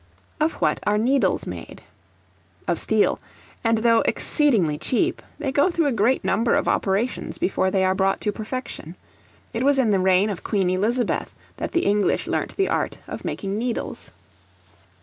Of what are Needles made? Of steel; and though exceedingly cheap, they go through a great number of operations before they are brought to perfection. It was in the reign of Queen Elizabeth that the English learnt the art of making needles.